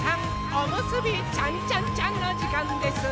おむすびちゃんちゃんちゃんのじかんです！